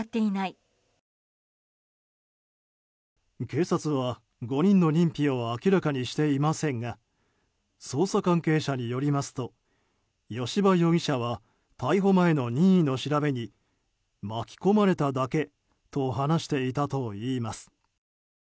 警察は５人の認否を明らかにしていませんが捜査関係者によりますと吉羽容疑者は逮捕前の任意の調べに巻き込まれただけと話していたといいます。